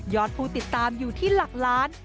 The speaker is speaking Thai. ผู้ติดตามอยู่ที่หลักล้าน